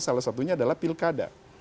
salah satunya adalah pilkada